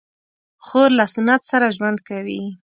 خور له سنت سره ژوند کوي.